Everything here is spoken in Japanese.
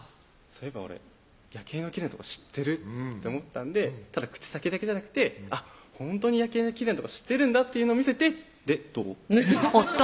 そういえば俺夜景のきれいなとこ知ってるって思ったんでただ口先だけじゃなくてほんとに夜景のきれいなとこ知ってるんだっていうのを見せて「でどう？」